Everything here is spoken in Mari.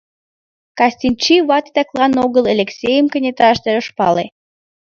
Кыстинчи вате таклан огыл Элексейым кенеташте ыш пале.